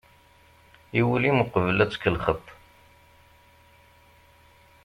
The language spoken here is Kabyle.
I wul-im uqbel ad tkellxeḍ-t.